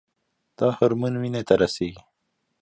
دا هورمون وینې ته رسیږي.